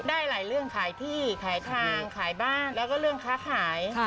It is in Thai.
ได้หลายเรื่องขายที่ขายทางขายบ้านแล้วก็เรื่องค้าขาย